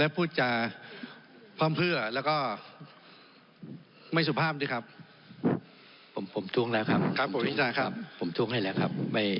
ผมถุงแล้วครับ